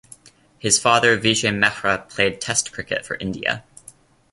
His father Vijay Mehra played Test cricket for India.